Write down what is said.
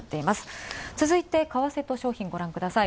続いて為替と商品ご覧ください。。